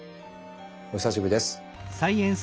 お久しぶりです。